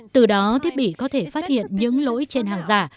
từ đó thiết bị có thể phát hiện những lỗi trên hàng giả